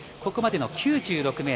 ここまでの９６ｍ。